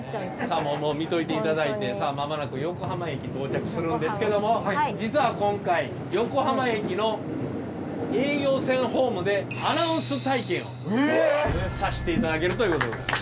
さあ見といて頂いてさあ間もなく横浜駅到着するんですけども実は今回横浜駅の営業線ホームでアナウンス体験をさして頂けるということでございます。